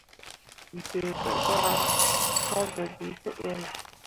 Dǝǝ tǝ gara ka zuu bii pǝ elle.